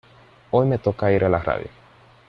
Hoy me toca ir a la radio